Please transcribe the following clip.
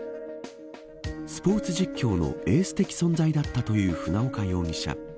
スポーツ実況のエース的存在だったという船岡容疑者。